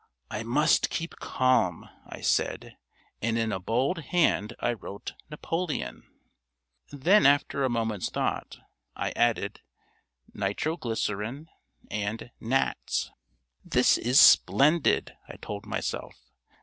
"I must keep calm," I said and in a bold hand I wrote Napoleon. Then after a moment's thought, I added Nitro glycerine, and Nats. "This is splendid," I told myself.